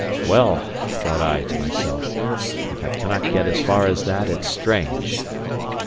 "Well," thought I to myself, "if I cannot get as far as that, it's strange!"